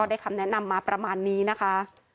คำแนะนำมาประมาณนี้นะคะ